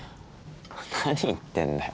何言ってんだよ